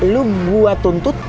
lu buat tuntut